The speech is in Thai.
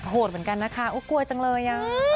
โหดเหมือนกันนะคะกลัวจังเลย